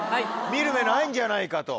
見る目ないんじゃないかと。